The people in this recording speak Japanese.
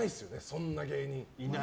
そんな芸人。